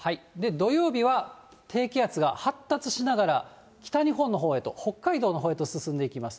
土曜日は低気圧が発達しながら、北日本のほうへと、北海道のほうへと進んでいきます。